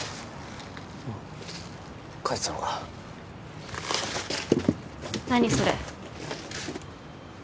あっ帰ってたのか何それ？